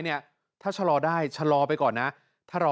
เนี้ยถ้าฉันรอได้ฉันรอไปก่อนนะถ้ารอ